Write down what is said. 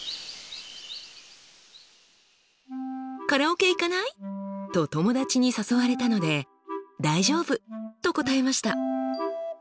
「カラオケ行かない？」と友達に誘われたので「大丈夫」と答えました。